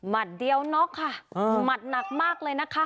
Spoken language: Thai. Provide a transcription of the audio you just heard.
เดียวน็อกค่ะหมัดหนักมากเลยนะคะ